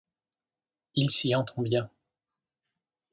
Il s’y entend bien !